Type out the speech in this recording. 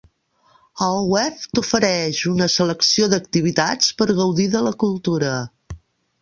El web t'ofereix una selecció d'activitats per gaudir de la cultura.